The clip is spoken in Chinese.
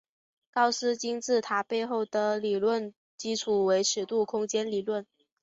高斯金字塔背后的理论基础为尺度空间理论。